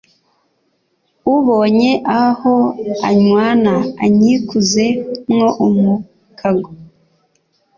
Ubonye aho anywana anyikuze mwo umukago,